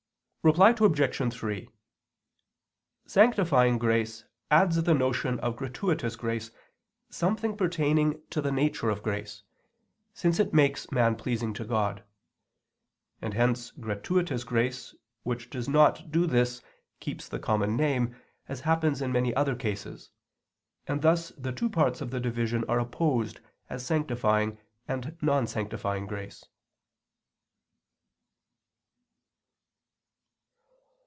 Reply Obj. 3: Sanctifying grace adds to the notion of gratuitous grace something pertaining to the nature of grace, since it makes man pleasing to God. And hence gratuitous grace which does not do this keeps the common name, as happens in many other cases; and thus the two parts of the division are opposed as sanctifying and non sanctifying grace.